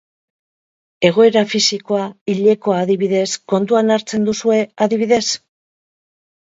Egoera fisikoa, hilekoa, adibidez, kontuan hartzen duzue adibidez?